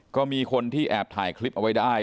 ก็มีคนที่แอบถ่ายคลิปเอาไว้ได้นะครับอืม